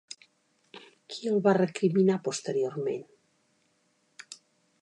Qui el va recriminar posteriorment?